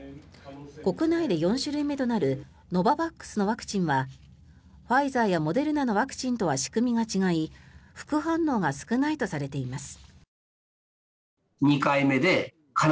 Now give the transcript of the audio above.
国内で４種類目となるノババックスのワクチンはファイザーやモデルナのワクチンとは仕組みが違い副反応が少ないとされています。